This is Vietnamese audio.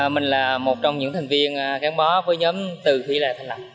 mình là một trong những thành viên gắn bó với nhóm từ thủy lạy thanh lập